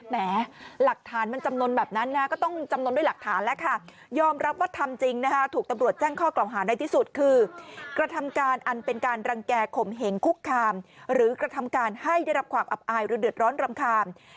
แหมหลักฐานมันจำนวนแบบนั้นก็ต้องจำนวนด้วยหลักฐานแล้วค่ะ